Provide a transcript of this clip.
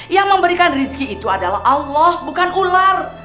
yang memberikan rizki itu adalah allah bukan ular